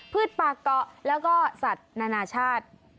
พืชปาก็แล้วก็สัตว์นานาชาติ